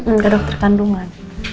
nggak dokter kandungan